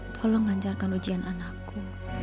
tolong lancarkan ujian anakku